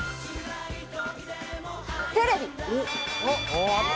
テレビ。